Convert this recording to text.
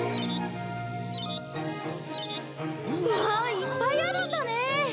わあいっぱいあるんだね！